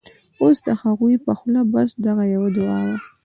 اوس د هغې په خوله بس، دغه یوه دعاوه